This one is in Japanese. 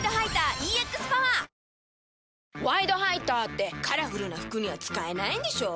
「ワイドハイター」ってカラフルな服には使えないんでしょ？